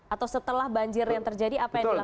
atau setelah banjir yang terjadi apa yang dilakukan